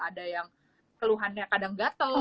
ada yang keluhannya kadang gatel